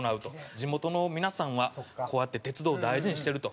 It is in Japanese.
地元の皆さんはこうやって鉄道を大事にしてると。